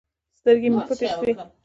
سترګې مې پټې سوې.